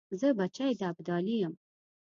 زه بچی د ابدالي یم .